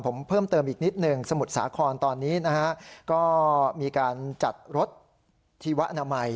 ผมเพิ่มเติมอีกนิดหนึ่งสมุทรสาครตอนนี้นะฮะก็มีการจัดรถชีวอนามัย